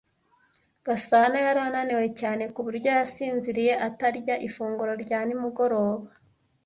Gasana yari ananiwe cyane ku buryo yasinziriye atarya ifunguro rya nimugoroba.